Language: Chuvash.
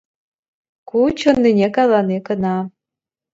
Ку чӑннине калани кӑна.